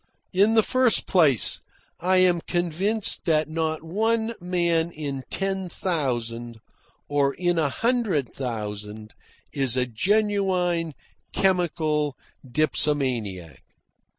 In the first place, I am convinced that not one man in ten thousand or in a hundred thousand is a genuine, chemical dipsomaniac.